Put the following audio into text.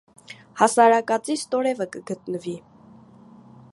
«Հասարակած»ի ստորեւը կը գտնուի։